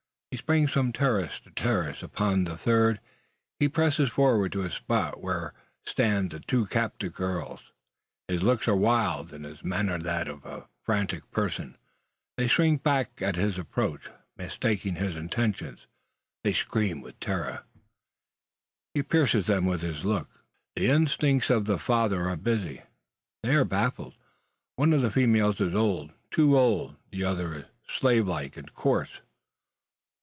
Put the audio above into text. He springs from terrace to terrace, up to the third. He presses forward to the spot where stand the two captive girls. His looks are wild, and his manner that of one frantic. They shrink back at his approach, mistaking his intentions. They scream with terror! He pierces them with his look. The instincts of the father are busy: they are baffled. One of the females is old, too old; the other is slave like and coarse.